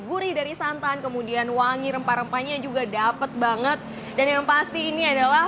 gurih dari santan kemudian wangi rempah rempahnya juga dapet banget dan yang pasti ini adalah